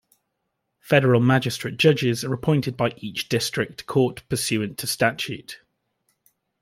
Federal magistrate judges are appointed by each district court pursuant to statute.